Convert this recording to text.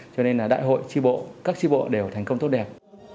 cho nên là đại hội tri bộ các tri bộ đều thành công tốt đẹp